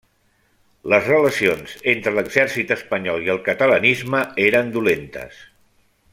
Les relacions entre l'exèrcit espanyol i el catalanisme eren dolentes.